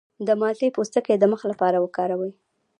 د مالټې پوستکی د مخ لپاره وکاروئ